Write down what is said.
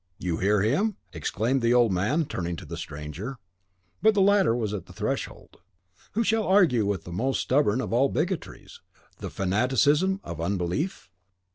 You hear him?" exclaimed the old man, turning to the stranger. But the latter was at the threshold. Who shall argue with the most stubborn of all bigotries, the fanaticism of unbelief?